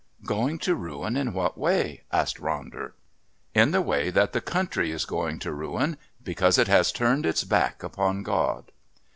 "Going to ruin in what way?" asked Ronder. "In the way that the country is going to ruin because it has turned its back upon God."